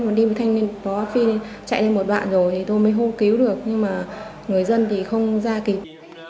một đêm thanh niên có phi chạy lên một đoạn rồi thì tôi mới hô cứu được nhưng mà người dân thì không ra kịp